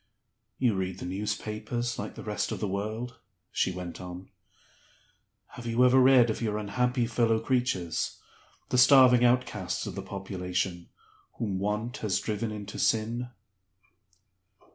"You read the newspapers like the rest of the world," she went on; "have you ever read of your unhappy fellow creatures (the starving outcasts of the population) whom Want has driven into Sin?"